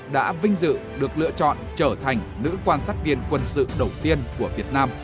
đã vinh dự được lựa chọn trở thành nữ quan sát viên quân sự đầu tiên của việt nam